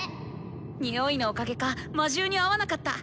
ニオイのおかげか魔獣にあわなかった。